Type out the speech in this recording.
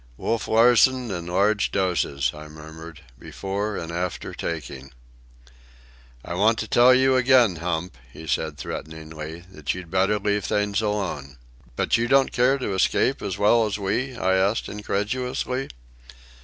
"Wolf Larsen, in large doses," I murmured, "before and after taking." "I want to tell you again, Hump," he said threateningly, "that you'd better leave things alone." "But don't you care to escape as well as we?" I asked incredulously.